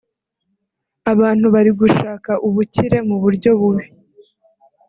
Abantu bari gushaka ubukire mu buryo bubi